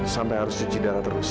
sampai harus cuci darah terus